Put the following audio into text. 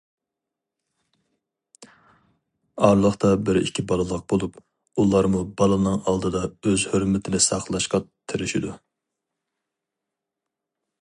ئارىلىقتا بىر- ئىككى بالىلىق بولۇپ، ئۇلارمۇ بالىنىڭ ئالدىدا ئۆز ھۆرمىتىنى ساقلاشقا تىرىشىدۇ.